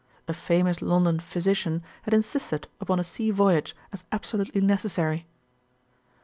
A famous London physician had insisted upon a sea voyage as absolutely necessary.